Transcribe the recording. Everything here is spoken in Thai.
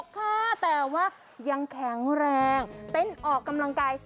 ค่ะแต่ว่ายังแข็งแรงเต้นออกกำลังกาย